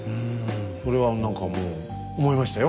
それは何かもう思いましたよ。